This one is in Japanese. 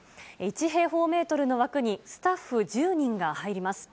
１平方メートルの枠にスタッフ１０人が入ります。